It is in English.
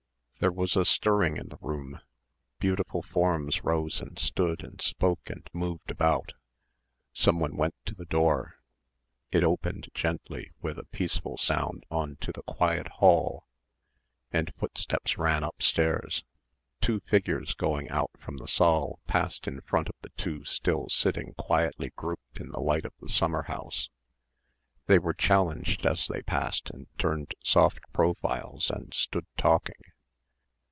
There was a stirring in the room; beautiful forms rose and stood and spoke and moved about. Someone went to the door. It opened gently with a peaceful sound on to the quiet hall and footsteps ran upstairs. Two figures going out from the saal passed in front of the two still sitting quietly grouped in the light of the summer house. They were challenged as they passed and turned soft profiles and stood talking.